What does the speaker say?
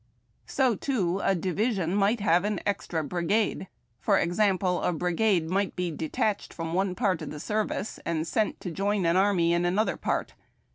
So, too, a division might have an extra brigade. For example, a brigade might be detached from one part of the service and sent to join an army in another part.